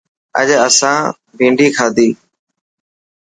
اڄ اسان ڀينڊي کادي.